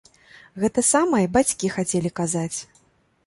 Гэта самае й бацькі хацелі казаць.